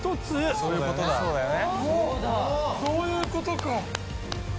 そういうことね。